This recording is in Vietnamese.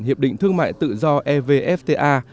hiệp định thương mại tự do evfta